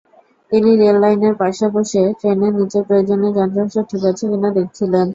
তিনি রেললাইনের পাশে বসে ট্রেনের নিচের প্রয়োজনীয় যন্ত্রাংশ ঠিক আছে কিনা দেখছিলেন।